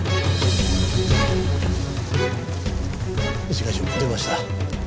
一課長出ました。